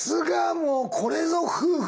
もうこれぞ夫婦！